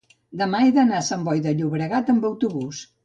demà he d'anar a Sant Boi de Llobregat amb autobús.